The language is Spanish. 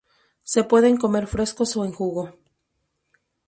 Se pueden comer frescos o en jugo.